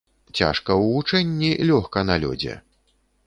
Цяжка ў вучэнні, лёгка на лёдзе.